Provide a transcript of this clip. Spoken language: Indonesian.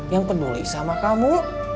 yang peduli sama kamu